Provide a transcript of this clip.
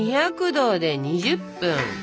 ２００℃で２０分。